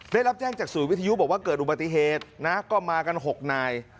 ได้รับแจ้งจากศูนย์วิทยุบอกว่าเกิดอุบัติเหตุนะก็มากัน๖นาย